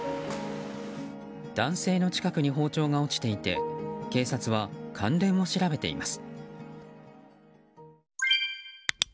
男性の近くに包丁が落ちていて警察は関連を調べています。